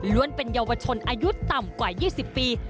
เป็นเยาวชนอายุต่ำกว่า๒๐ปี